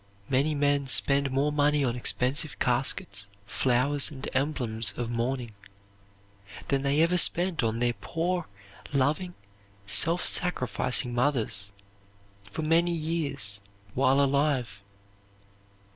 Many men spend more money on expensive caskets, flowers, and emblems of mourning than they ever spent on their poor, loving, self sacrificing mothers for many years while alive.